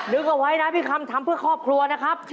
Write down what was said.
เอาไว้นะพี่คำทำเพื่อครอบครัวนะครับ